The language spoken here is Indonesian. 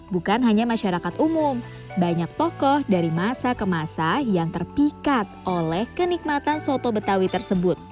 bukan hanya masyarakat umum banyak tokoh dari masa ke masa yang terpikat oleh kenikmatan soto betawi tersebut